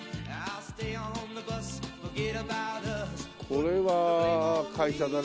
これは会社だね。